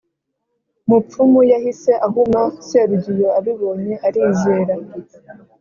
mupfumu yahise ahuma serugiyo abibonye arizera